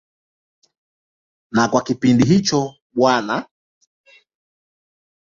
Na kwa kipindi hicho Bw.